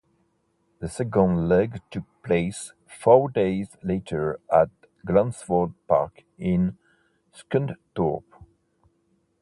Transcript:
The second leg took place four days later at Glanford Park in Scunthorpe.